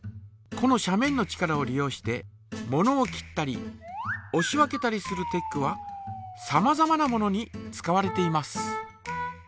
この斜面の力を利用してものを切ったりおし分けたりするテックはさまざまなものに使われています。